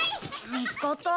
見つかった？